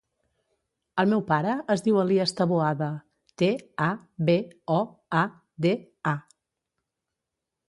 El meu pare es diu Elías Taboada: te, a, be, o, a, de, a.